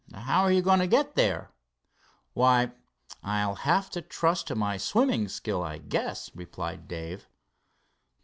"How are you going to get there?" "Why, I'll have to trust to my swimming skill, I guess," replied Dave.